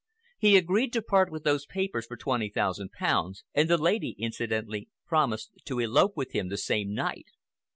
He agreed to part with the papers for twenty thousand pounds, and the lady incidentally promised to elope with him the same night.